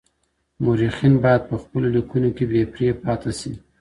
مورخین باید په خپلو لیکنو کې بې پرې پاتې شي.